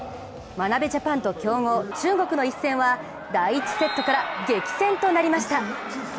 眞鍋ジャパンと、強豪・中国との一戦は第１セットから激戦となりました。